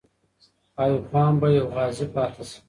ایوب خان به یو غازی پاتې سي.